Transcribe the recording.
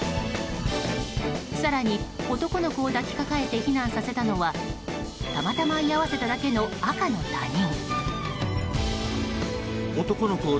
更に男の子を抱きかかえて避難させたのはたまたま居合わせただけの赤の他人。